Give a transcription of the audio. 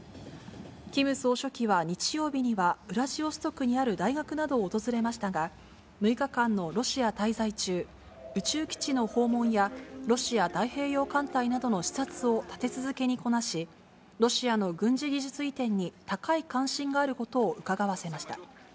キム総書記は日曜日には、ウラジオストクにある大学などを訪れましたが、６日間のロシア滞在中、宇宙基地の訪問やロシア太平洋艦隊などの視察を立て続けにこなし、ロシアの軍事技術移転に高い関心があることを伺わせました。